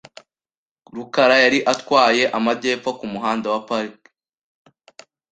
rukara yari atwaye amajyepfo kumuhanda wa Park .